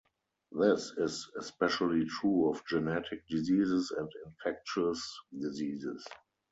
This is especially true of genetic diseases and infectious diseases.